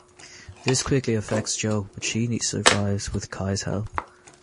This quickly affects Jo, but she survives with Ky's help.